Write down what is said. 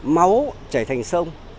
máu chảy thành sông